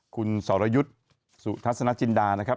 คุณสรยุทธ์สุทัศนจินดานะครับ